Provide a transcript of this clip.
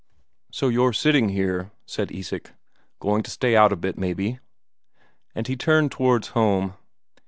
"So you're sitting here," said Isak. "Going to stay out a bit, maybe?" And he turned towards home.